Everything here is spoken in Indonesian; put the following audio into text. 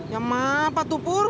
ya maaf pak tupur